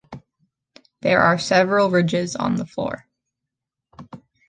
There are several ridges on the floor.